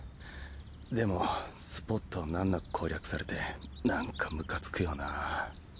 でもスポットをなんなく攻略されてなんかムカつくよな。